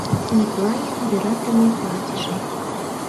Миклайын йӧратыме платьыже.